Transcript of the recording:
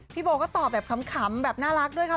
โบก็ตอบแบบขำแบบน่ารักด้วยค่ะ